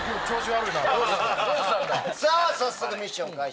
さぁ早速ミッション開始だ。